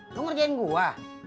lu mergiin gua